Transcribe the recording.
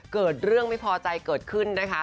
เกิดเรื่องไม่พอใจเกิดขึ้นนะคะ